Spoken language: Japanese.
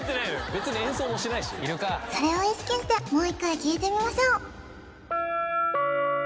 別に演奏もしないしいるかっそれを意識してもう一回聞いてみましょう